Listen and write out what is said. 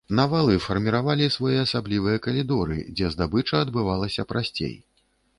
Навалы фарміравалі своеасаблівыя калідоры, дзе здабыча адбывалася прасцей.